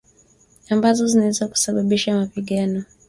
Ambazo zinaweza kusababisha mapigano.